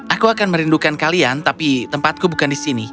aku akan merindukan kalian tapi tempatku bukan di sini